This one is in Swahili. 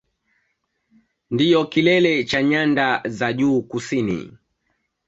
Ndiyo kilele cha Nyanda za Juu Kusini